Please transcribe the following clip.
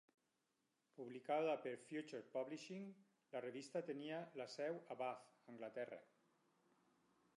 Publicada per Future Publishing, la revista tenia la seu a Bath, Anglaterra.